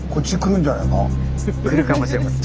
来るかもしれません。